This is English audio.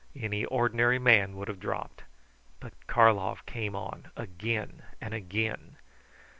Any ordinary man would have dropped; but Karlov came on again and again.